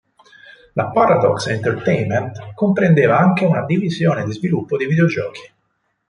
La Paradox Entertainment comprendeva anche una divisione di sviluppo di videogiochi.